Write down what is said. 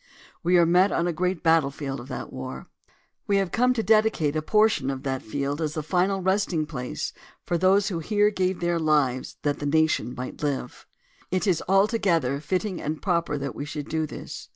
We are met on a great battlefield of that war. We have come to dedicate a portion of that field as the final resting place for those who here gave their lives that the nation might live. It is altogether fitting and proper that we should do this.